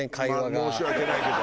申し訳ないけど。